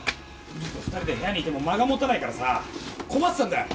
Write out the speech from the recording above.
２人で部屋にいても間が持たないからさ困ってたんだよ。